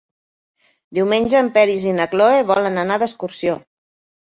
Diumenge en Peris i na Cloè volen anar d'excursió.